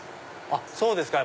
あっそうですか！